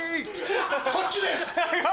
こっちです！